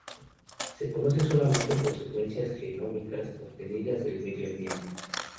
Se conocen solamente por secuencias genómicas obtenidas del medio ambiente.